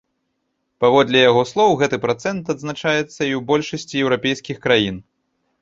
Паводле яго слоў, гэты працэнт адзначаецца і ў большасці еўрапейскіх краін.